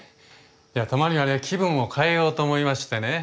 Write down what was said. いやたまにはね気分を変えようと思いましてね。